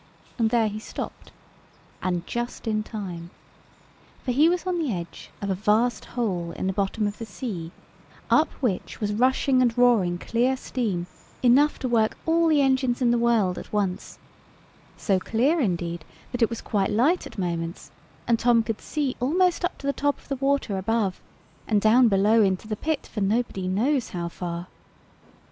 And there he stopped, and just in time. For he was on the edge of a vast hole in the bottom of the sea, up which was rushing and roaring clear steam enough to work all the engines in the world at once; so clear, indeed, that it was quite light at moments; and Tom could see almost up to the top of the water above, and down below into the pit for nobody knows how far.